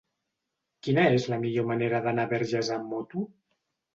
Quina és la millor manera d'anar a Verges amb moto?